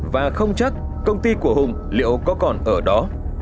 và không chắc công ty của hùng liệu có còn ở đó